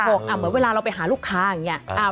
เหมือนเวลาเราไปหาลูกค้าอย่างนี้